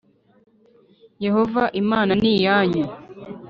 Yehova Imana niyanyu.